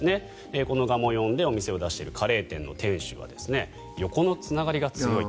このがもよんでお店を出しているカレー店の店主は横のつながりが強いと。